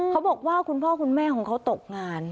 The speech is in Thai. เขาบอกว่าคุณพ่อคุณแม่ของเขาตกงาน